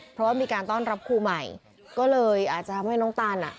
เพราะว่ามีการต้อนรับครูใหม่ก็เลยอาจจะทำให้น้องตานอ่ะ